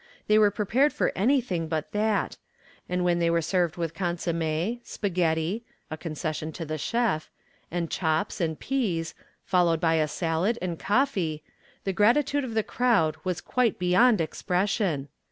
They were prepared for anything but that, and when they were served with consomme, spaghetti a concession to the chef and chops and peas, followed by a salad and coffee, the gratitude of the crowd was quite beyond expression.